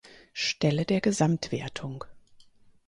Stelle der Gesamtwertung.